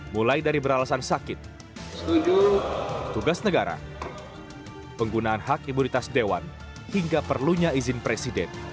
mulai dari beralasan sakit setuju tugas negara penggunaan hak imunitas dewan hingga perlunya izin presiden